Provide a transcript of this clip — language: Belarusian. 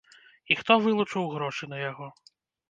І хто вылучыў грошы на яго?